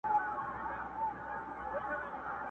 سل لكۍ په ځان پسې كړلې يو سري!.